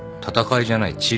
闘いじゃない。